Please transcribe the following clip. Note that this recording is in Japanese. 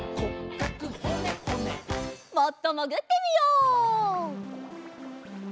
もっともぐってみよう。